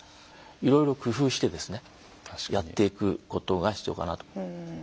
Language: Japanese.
いろいろ工夫してですねやっていくことが必要かなと。